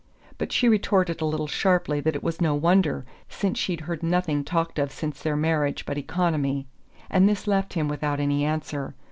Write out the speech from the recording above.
But she retorted a little sharply that it was no wonder, since she'd heard nothing talked of since their marriage but economy; and this left him without any answer.